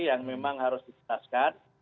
yang memang harus ditelaskan